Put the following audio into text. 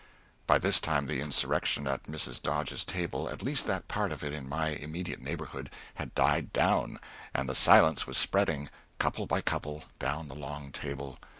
By this time the insurrection at Mrs. Dodge's table at least that part of it in my immediate neighborhood had died down, and the silence was spreading, couple by couple, down the long table.